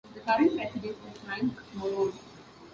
The current president is Frank Morrone.